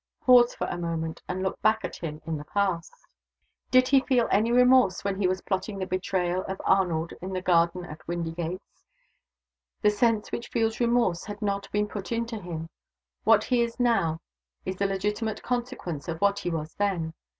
Pause for a moment and look back at him in the past. Did he feel any remorse when he was plotting the betrayal of Arnold in the garden at Windygates? The sense which feels remorse had not been put into him. What he is now is the legitimate consequence of what he was then.